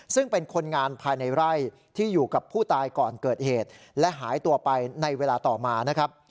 ซึ่งเป็นคนงานภายในไร่ที่อยู่กับผู้ตายก่อนเกิดเหตุและหายตัวไปในเวลาต่อมานะครับ